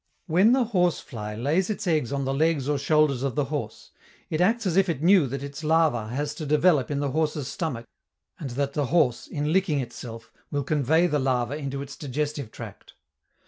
When the horse fly lays its eggs on the legs or shoulders of the horse, it acts as if it knew that its larva has to develop in the horse's stomach and that the horse, in licking itself, will convey the larva into its digestive tract.